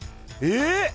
えっ！